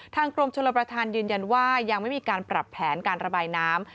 กรมชลประธานยืนยันว่ายังไม่มีการปรับแผนการระบายน้ำ